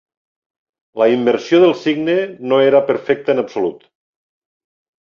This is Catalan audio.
La immersió del cigne no era perfecta en absolut.